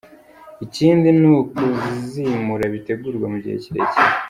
Ikindi ni kuzimura bitegurwa mu gihe kirekire.